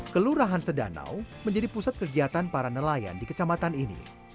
kelurahan sedanau menjadi pusat kegiatan para nelayan di kecamatan ini